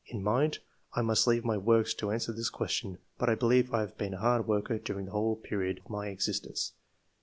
In mind — I must leave my works to answer this question ; but I believe I have been a hard worker during the whole period of my existence.